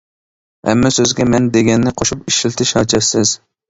ھەممە سۆزگە «مەن» دېگەننى قوشۇپ ئىشلىتىش ھاجەتسىز.